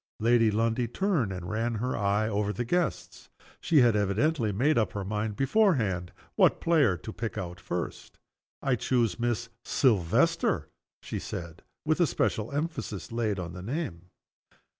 Lady Lundie turned and ran her eye over her guests. She had evidently made up her mind, beforehand, what player to pick out first. "I choose Miss Silvester," she said with a special emphasis laid on the name.